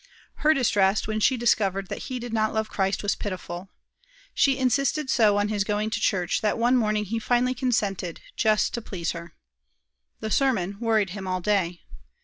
Her distress when she discovered that he did not love Christ was pitiful. She insisted so on his going to Church, that one morning he finally consented, just to please her. The sermon worried him all day.